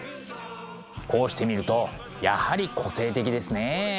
こうして見るとやはり個性的ですね。